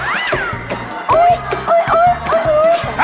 อะไรน่ะ